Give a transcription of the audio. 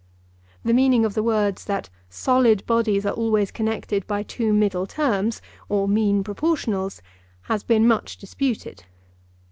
The meaning of the words that 'solid bodies are always connected by two middle terms' or mean proportionals has been much disputed.